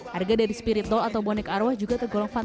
harga dari spirit doll atau boneka arwah ini tidak terlalu mahal